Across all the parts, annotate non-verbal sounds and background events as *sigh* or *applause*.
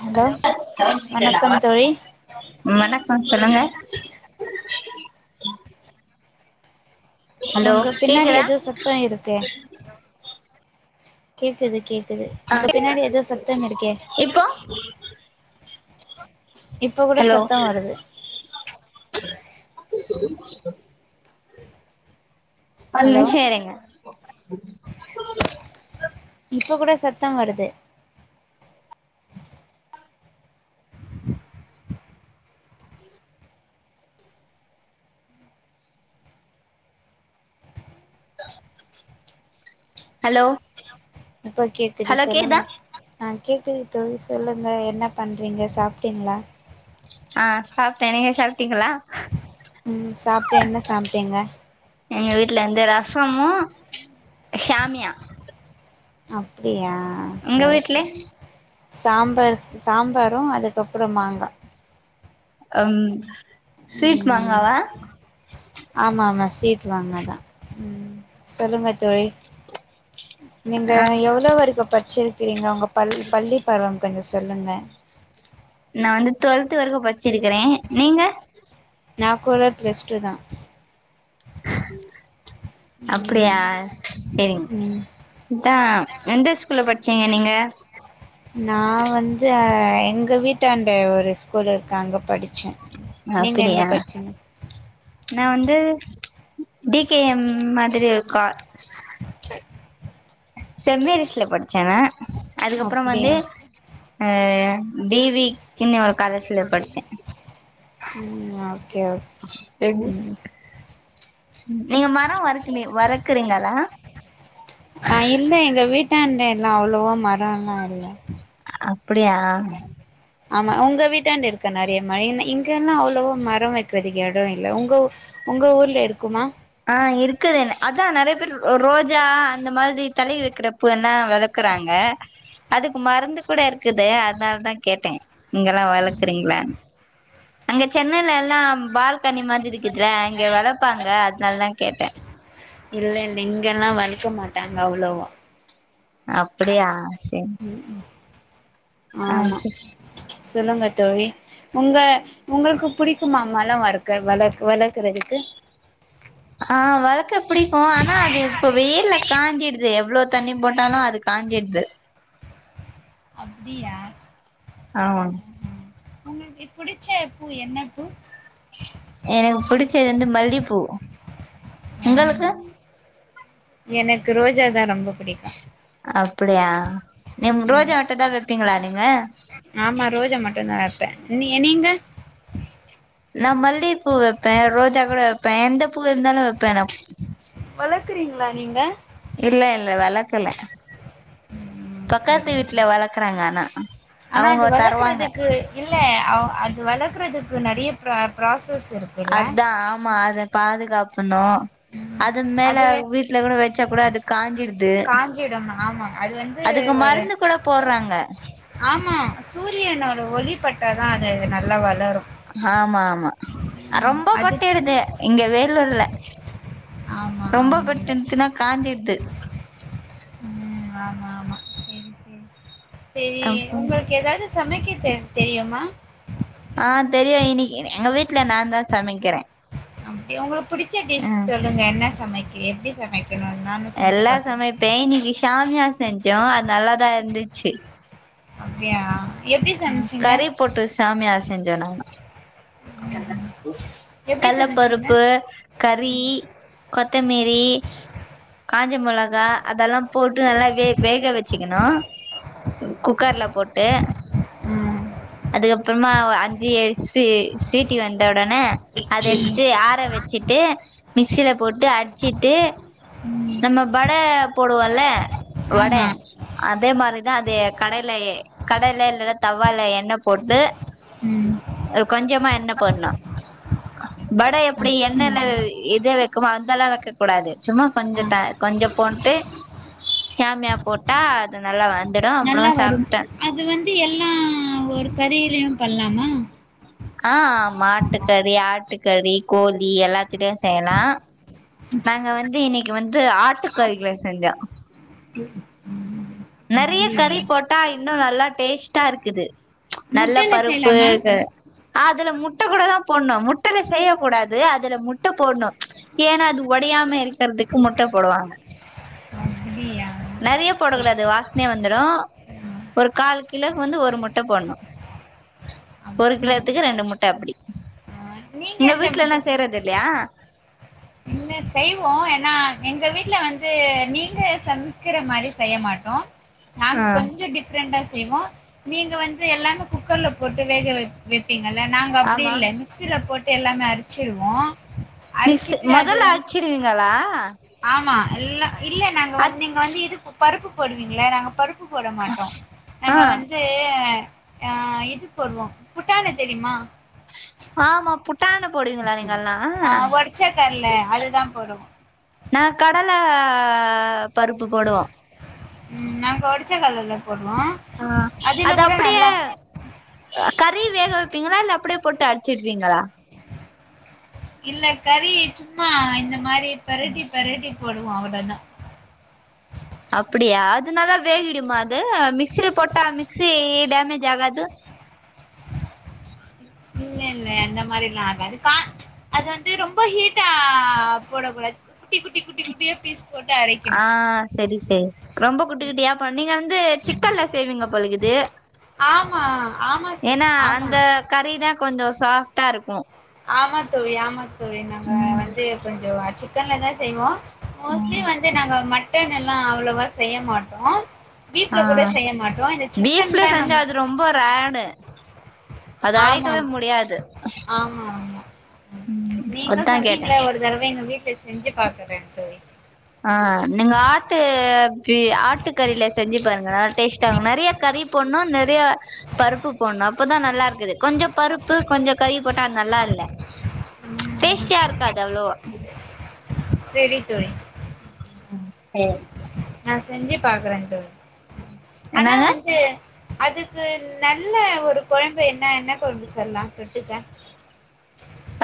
Hello வணக்கம் தோழி வணக்கம் சொல்லுங்க ஹலோ உங்க பின்னாடி கேக்குதா எதோ சத்தோ இருக்கே கேக்குது கேக்குது ஆ உங்க பின்னாடி ஏதோ சத்தம் இருக்கே இப்போ இப்ப கூட ஹலோ *inaudible* சத்தம் வருது ஒரு ஹலோ நிம்ஷோ இருங்க இப்ப கொட சத்தோ வருது ஹலோ இப்ப கேக்குது ஹலோ கேக்குதா சொல்லுங்க அ கேட்குது தோழி சொல்லுங்க என்ன பண்றீங்க சாப்ட்டிங்களா அ சாப்ட்டே நீங்க சாப்டிங்களா ம் சாப்ட்டே என்ன சாப்ட்டீங்க எங்க வீட்ல வந்து ரசமு ஷாமியா அப்டியா உங்க செரி வீட்ல செரி சாம்பார் சாம்பாரு அதுக்கப்பறொ மாங்கா ம் ஸ்வீட் ம் மாங்காவா ஆமா ஆமா ஸ்வீட் மாங்காதா ம் சொல்லுங்க தோழி நீங்க ஆ எவ்ளோ வரைக்கு பட்ச்சிருக்கிறீங்க உங்க பள் பள்ளி பருவோ கொஞ்சொ சொல்லுங்க நா வந்து டுவெல்த் வரைக்கோ பட்ச்சிருக்குறே நீங்க நா கோட ப்ளெஸ்டூ தா அப்டியா ம் செரிங்க ம் இதா எந்த ஸ்கூல்ல பட்ச்சீங்க நீங்க நா வந்து எங்க வீட்டாண்ட ஒரு ஸ்கூலு இருக்கு அங்க படு ச்சே நீங்க எங்க அப்டியா பட்ச்சீங்க நா வந்து டி கே எம் மாதிரி இருக்கா சென்மேரிஸ்ல படுச்சே அதுக்கப்பறோ வந்து அப்டியா அ பி வி இன்னி ஒரு காலேஜ்ல படுச்சே ம் ஓகே ஓகே *unintelligible* ம் நீங்க மரோ வருக்கலெ வரக்குறீங்களா அ இல்ல எங்க வீட்டாண்ட எல்லா அவ்ளொவா மரோ எல்லா இல்ல அப்புடியா ஆமா உங்க வீட்டாண்ட இருக்கா நெறைய *unintelligible* இங்கல்லா அவ்ளவோ மரோ வெக்றதுக் எ டொ இல்ல உங்க உங்க ஊர்ல இருக்குமா ஆ இருக்குதேன அதா நறைய பேர் ரோஜா அந்த மாரி தலைல வெக்கிற பூன்னா வதக்குறாங்க அதுக்கு மருந்து கூட இருக்குது அத்னாலதா கேட்டே நீங்கல்லா வளக்குறீங்ளானு அங்கெ சென்னைல எல்லா பால்கனி மாதி இருக்குதுல அங்கெ வளப்பாங்க அத்னாலதா கேட்டே இல்ல இல்ல இங்கெல்லா வளக்க மாட்டாங்க அவ்ளோவா அப்டியா செரி ஆ ஆமா செரி சொல்லுங்க தோழி உங்க உங்களுக்கு பிடிக்குமா மல வர்கற வளர்க வளர்க்கறதுக்கு அ வளக்க பிடிக்கு ஆனா அது இப்ப வெய்ல காய்ஞ்சிடுது எவ்ளோ தண்ணி போட்டாலோ அது காய்ஞ்சிடுது அப்டியா ஆமா உங்களுக்கு புடிச்ச பூ என்ன பூ எனக்கு புடிச்சது வந்து மல்லிப்பூ உங்களுக்கு எனக்கு ரோஜா தா ரொம்ப புடிக்கு அப்டியா நீங்க ம் ரோஜா மட்டுதா வைப்பீங்களா நீங்க ஆமா ரோஜா மட்டு தா வப்பே நீ நீங்க நா மல்லியப் பூ வைப்பே ரோஜா கூட வைப்பே எந்த பூ இருந்தாலும் வைப்பே நா வளக்கிறீங்களா நீங்க இல்ல இல்ல வளக்கல ம் பக்கத்து செரி வீட்டுல செரி வளக்கறாங்க ஆனா ஆனா அது அவங்க தருவாங்க வளக்குறதுக்கு இல்ல அவ அது வளக்குறதுக்கு நெறைய ப்ரா ப்ராசஸ் இருக்கு அதா ஆமா அத பாதுகாக்கணும் அது மேல வீட்டுல கூட வச்சா கூட அது காஞ்சிடுது காஞ்சிடும் ஆமாங்க அது வந்து அதுக்கு ஒரு மருந்து கூட போடுறாங்க ஆமா சூரியனோட ஒளிபட்டா அது நல்லா வளரு ஆமா ஆமா ம் ரொம்ப அது பட்டிறுது இங்க வேலூர்ல ஆமா ரொம்ப ஆமாங்க பட்த்துன்னா காஞ்சிடுது ம் ஆமா ஆமா சேம் சேம் சேம் உங்களுக்கு ஏதாவது சமைக்க தெரியுமா அ தெரியு இன்னைக்கு எங்க வீட்டு்ல நா தா சமைக்கிறே அப்டியா உங்களுக்கு பிடிச்ச டிஷ் ம் சொல்லுங்க என்ன சமைக்க எப்டி சமைக்கணு நானு செஞ்சு எல்லா பாக்குறே சமைப்பே இன்னைக்கு சாமியா செஞ்சோ அது நல்லாதா இருந்துச்சு அப்டியா எப்டி ம் சமச்சீங்க கறி போட்டு சாமியா செஞ்சோ நாங்க *inaudible* எப்டி சமச்சீங்க கள்ளப்பருப்பு கறி கொத்தமேரி காஞ்ச மொளகா அதெல்லா போட்டு நல்லா வே வேக வச்சேக்கனா குக்கர்ல போட்டு ம் அதுக்கப்றமா அஞ்சு எ சு ஸ்வீட்டி வந்த உடனே அத எடுத்து ஆற வச்சு ச்சட்டு மிக்சியில போட்டு அடிச்சுட்டு ம் நம்ம வட போடுவோல வட ஆமா அதே மாரிதா அது கடாய்ல கடேல இல்ல தவ்வால எண்ணெ போட்டு ம் கொஞ்சமா எண்ணெ போடனு வட எப்டி எண்ணெய்ல அப்டியா இத வைக்குமோ அதெல்லா வைக்கக் கூடாது சும்மா கொஞ்சோ ஆ த கொஞ்சோ போட்டு சாமியா போட்டா அது நல்லா வந்துடும் அப்றோ நல்லா வரும். சாப்ட்டே அது வந்து எல்லா ஒரு கறியிலையு பண்ணலாமா அ மாட்டுக்கறி ஆட்டுக்கறி கோழி எல்லாத்தலையு செய்யலா நாங்க வந்து இன்னைக்கு வந்து ஆட்டுக்கறியில செஞ்சோ ம் நெறய கறி போட்டா இன்னும் நல்லா டேஸ்ட்டா இருக்குது ச் நல்ல முட்டைல பருப்பு செய்யலாமா? க அதுல முட்ட கூட தான் போணும் முட்டல செய்ய கூடாது அதுல முட்ட போணும் ஏன்னா அது ஒடயாம இருக்றதுக்கு முட்ட போடுவாங்க அப்டியா நெறயா போடக்கூடாது வாசனையா வந்துடும் ஒரு கால் கிலோக்கு வந்து ஒரு முட்ட போணும் ஒரு அப்படியா? கிலோத்துக்கு ரெண்டு முட்ட அப்டி ஆ நீங்க உங்க எந்த வீட்ல முட்ட எல்லாம் செய்றது இல்லயா இன்ன செய்வோ ஏன்னா எங்க வீட்ல வந்து நீங்க சமக்கிற மாரி செய்ய மாட்டோ நாங்க ஆ கொஞ்சோ டிஃப்ரெண்டா செய்வோ நீங்க வந்து எல்லாமே குக்கர்ல போட்டு வேக வப் வப்பீங்கல்ல நாங்க அப்டி ஆமா இல்ல மிக்சில போட்டு எல்லாமே அரிச்சிடுவோ அரிச்சிட்டு துல்ல அரச்சிடுவீங்களா ஆமா எல்லா இல்ல நாங்க வந்து நீங்க வந்து இது பருப்பு போடுவீங்கள நாங்க பருப் ப்பு போட மாட்டோ நாங்க ஆ வந்து ந்த்து ஆ இது போடுவோ புட்டான தெரிமா ஆமா புட்டானு போடுவீங்களா நீங்கல்லா ஆ ஒடச்ச கல்ல அதுதா போடுவோ நா கடல பருப்பு போடுவோ ம் நாங்க ஒடச்ச கல்லல்ல போடுவோ ஆ அதுல அது கூட அப்டிய நல்லா கறி வேக வப்பீங்களா இல்ல அப்டியே போட்டு அரிச்சிடுவீங்களா இல்ல கறி சும்மா இந்த மாரி பெரட்டி பெரட்டி போடுவோ அவ்ளோதா அப்டியா அதுனாலா வேகிடுமா அது மிக்ஸ்சி போட்டா மிக்சி டேமேஜ் ஆகாது இல்ல இல்ல அந்த மாரில்லா ஆகாது அது வந்து ரொம்ப ஹீட்டா போடக்கூடாது குட்டி குட்டி குட்டி குட்டியா பீஸ் போட்டு ஆ அரைக்கனு செரி செரி ரொம்ப குட்டி குட்டியா அ நீங்க வந்து சிக்கன்ல செய்வீங்க போலக்குது ஆமா ஆமா சிஸ் ஆமா கறினா கொஞ்சோ சாஃப்டா இருக்கு ஆமாங் தோழி ஆமாங்தோழி நாங்க ம் வந்து கொஞ்சோ சிக்கன்ல தா செய்வோ மோஸ்ட்லி ம் வந்து நாங்க மட்டன் எல்லா அவ்ளவா செய்ய மாட்டோ ஆ பீஃப்ல கூட செய்ய மாட்டோ இந்த சிக்கன் பீஃப்ல தா செஞ்சா நம்ம அது ரொம்ப ரேடு அது ஆமா அடக்கவே முடியாது ஆமா ஆமா ம் நீங்க அதா கேட்டே சொன்னீங்கள ஒரு தடவ எங்க வீட்ல செஞ்சு பாக்குறே தோழி ஆ நீங்க ஆட்டு ஆட்டு கறில செஞ்சு பாருங்க டேஸ்ட் நெறய கறி போன்னு நெறய பருப்பு போண்ணோ அப்பதா நல்லாருக்குது கொஞ்சோ பருப்பு கொஞ்சோ கறி போட்டா அது நல்லால்ல ம் டேஸ்ட்டியா இருக்காது அவ்ளோவா செரி தோழி ஆ செரி நா செஞ்சி பாக்குறே தோழி ஆனா என்னங்க வந்து அதுக்கு நல்ல ஒரு கொழம்பு என்ன என்ன கொழம்பு சொல்லலா தொட்டுக்க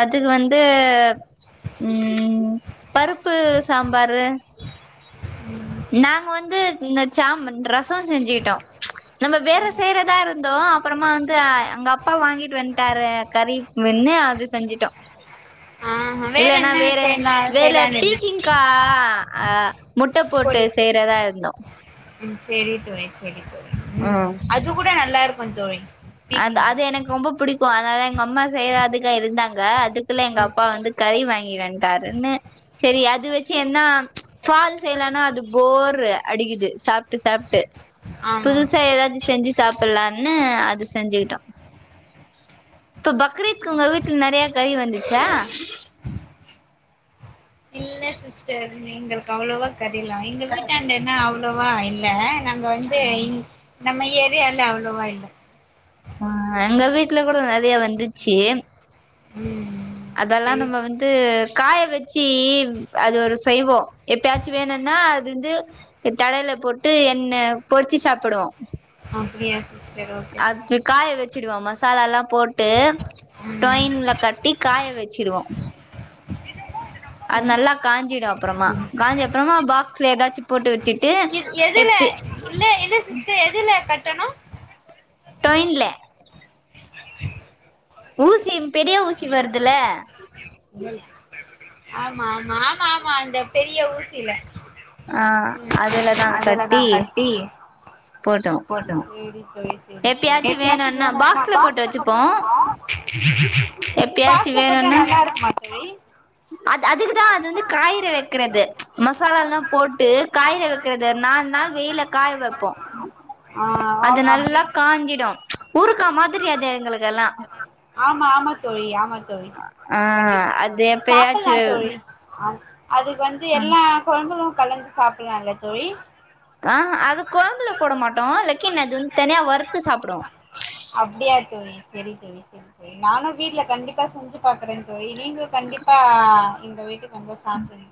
அதுக்கு வந்து உம் பருப்பு சாம்பாரு *inaudible* நாங்க வந்து இந்த சாமன் ரசோ செஞ்சிட்டோ நம்ம வேற செய்றதா இருந்தோ அப்பறமா அந்து அ அங்க அப்பா வாங்கிட்டு வந்ட்டாரு கறி வென்னு அது செஞ்சிட்டோ ஆ இல்லென்னா என்ன வேற செய்யலா வேர்ல செய்யலான்னு பீக்கிங் கா இருக் அ முட்ட போட்டு செய்றதா இர்ந்தோ உம் செரி தோழி செரி தோழி உம் ம் அது கூட நல்லாருக்கு தோழி அத் பீக்கிங்கா அது எனக் ஒம்ப புடிக்கூ அதாத எங்க அம்மா செய்றதுக்கு இருந்தாங்க அதுக்குள்ள எங்க அப்பா வந்து கறி வாங்கிவன்ட்டாருன்னு செரி அது வெச்சி என்னா ஃபால் செய்லன்னா அது போரு அடிக்குது சாப்ட்டு சாப்ட்டு ஆமா புதுசா எதாச்சு செஞ்சு சாப்புல்லான்னு அது செஞ்சுட்டோ ப்ப பக்ரீத்க்கு உங்க வீட்ல நறைய கறி வந்துச்சா இல்ல சிஸ்டர் நீங்களுக்கு அவ்வளோவா கறில்லா எங்க வீட்டாண்ட என்ன அவ்ளோவா இல்ல நாங்க வந்து இந் நம்ம ஏரியால்ல அவ்வளோவா இல்ல அ எங்க வீட்டுல கூட நறைய வந்துச்சி ம் அதல்லா சரி நம்ம சிஸ்- வந் து காய வெச்சி வ் அது ஒரு செய்வோ எப்பயாச்சு வேணுன்னா அது ந்து தடய்ல போட்டு என்ன பொற்ச்சி சாப்புடுவோ அப்புடிய அத்து காய வெச்சுடுவோ மசாலால்லா போட்டு ம் டொயின்ல கட்டி காய வெச்சுடுவோ அது நல்லா காஞ்சிடு அப்றமா காஞ்ச அப்புறமா பாக்ஸ்ல எதாச்சுப் போட்டு வெச்சிட்டு இக் எதுல்ல இல்ல இல்ல சிஸ்டர் எதுல கட்டணு டொயின்ல ஊசி பெரிய ஊசி வர்துல்ல ஆம்மா ஆம்மா ஆம்மா ஆம்மா அந்த பெரிய ஊசில ஆ ம் அதுலதா கட்டி போட்டோ ம் எப்பயாச்சு எப்ப ஆச்சு வேணுன்னா பாக்ஸ்ல வேணான்னாபா போட்டு வச்சுப்போ எப்பயாச்சு பாக்ஸ்ல போட்டா வேணுன்னா நல்லா இருக்குமா தோழி அது அதுக்குதா அது ந்து காய்ற வெக்கிறது மசாலால்லா போட்டு காயற வெக் கது நால்நாள் வெயில்ல காய வெப்போ ஆ ஆ அது அப்டி நல்லா காஞ்சிடு ஊறுக்கா மாதிரி அது எங்களுக்கெல்லா ஆம்மா ஆம்மா தோழி ஆம்மா தோழி ஆ கண்டிப்பா அது சாப்புல்லா எப்பயாச்சு தோழி அ அதுக் வந்து எல்லா கொழம்புலு கலந்து சாப்புல்லால்ல தோழி அ அது கொழம்புல போட மாட்டோ லெக்கின் அது வந்து தனியா வறுத்து சாப்டுவோ அப்டியா தோழி செரி தோழி செரி தோழி நானு வீட்ல கண்டிப்பா செஞ்சு பாக்குறெ தோழி நீங்கு கண்டிப்பா எங்க வீட்டுக் வந்தா சாப்புன்னு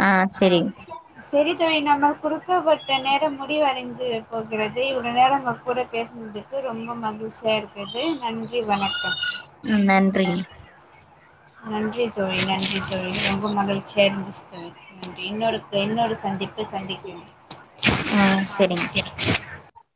ஆ அ செரிங் செரி செரி தோழி நம்ம குடு க்கப்பட்ட நேரொ முடிவடைந்து ஓக்கே ரதி இவ்ளோ நேரோ உங்க கூட பேசனதுக்கு ரொம்ப மகிழ்ச்சியா இருக் க்குது நன்றி வணக்கம் உம் நன்றிங் நன்றி தோழி நன்றி தோழி ரொம்ப மகிழ்ச்சியா இருந்துச் தோழி நன்றி இன்னொருத்து இன்னொரு சந்திப்பில் சந்திக்கு ஆ அ செரிங் ஓக்கே